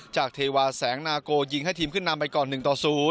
เทวาแสงนาโกยิงให้ทีมขึ้นนำไปก่อน๑ต่อ๐